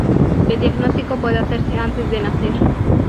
El diagnóstico puede hacerse antes de nacer.